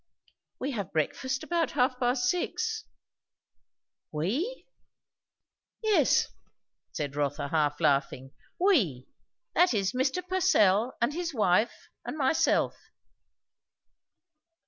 "We have breakfast about half past six." "We?" "Yes," said Rotha half laughing. "We. That is, Mr. Purcell, and his wife, and myself."